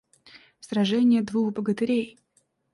Сраженье двух богатырей!